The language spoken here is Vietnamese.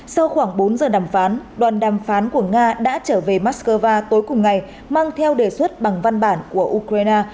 sau khoảng bốn giờ đàm phán đoàn đàm phán của nga đã trở về moscow tối cùng ngày mang theo đề xuất bằng văn bản của ukraine